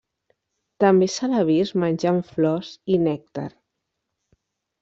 També se l'ha vist menjant flors i nèctar.